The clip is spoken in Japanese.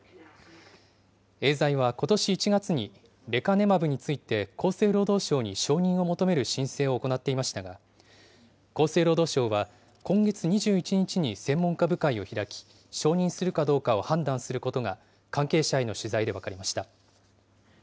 エーザイはことし１月に、レカネマブについて厚生労働省に承認を求める申請を行っていましたが、厚生労働省は今月２１日に専門家部会を開き、承認するかどうかを判断することが、関係者への取材で分かりました。